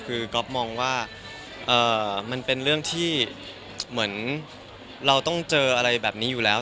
คือก๊อฟมองว่ามันเป็นเรื่องที่เหมือนเราต้องเจออะไรแบบนี้อยู่แล้ว